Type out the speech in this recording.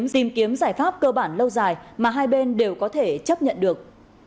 tìm kiếm giải pháp cơ bản lâu dài mà hai bên đều có thể chấp nhận được